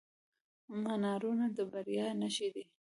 منارونه د بریا نښې دي.